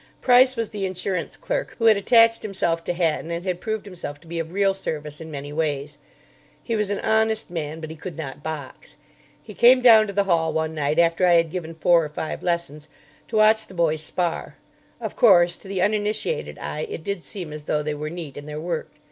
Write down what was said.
Price was the insurance clerk who had attached himself to Hatton and had proved himself to be of real service in many ways. He was an honest man, but he could not box. He came down to the hall one night after I had given four or five lessons, to watch the boys spar. Of course, to the uninitiated eye it did seem as though they were neat in their work.